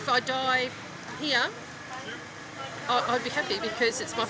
kalau saya mati di sini saya akan senang karena ini adalah pertama kali saya berada di bali